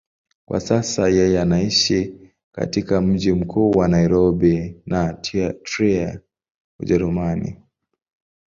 Kwa sasa yeye anaishi katika mji mkuu wa Nairobi na Trier, Ujerumani.